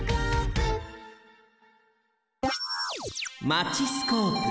マチスコープ。